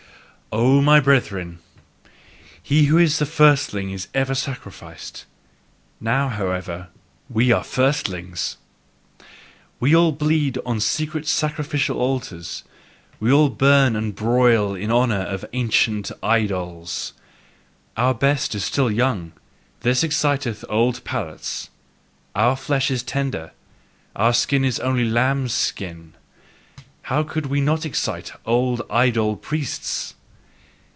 O my brethren, he who is a firstling is ever sacrificed. Now, however, are we firstlings! We all bleed on secret sacrificial altars, we all burn and broil in honour of ancient idols. Our best is still young: this exciteth old palates. Our flesh is tender, our skin is only lambs' skin: how could we not excite old idol priests!